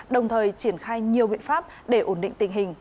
đồng thời triển khai nhiều biện pháp để ổn định tình hình